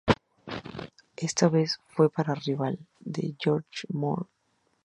Esta vez fue para "Rival" de Jorge Mohr.